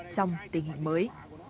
trong tình hình mới